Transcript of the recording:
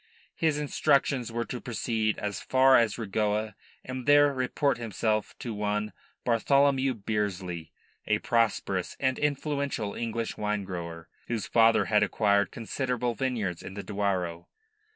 His instructions were to proceed as far as Regoa and there report himself to one Bartholomew Bearsley, a prosperous and influential English wine grower, whose father had acquired considerable vineyards in the Douro.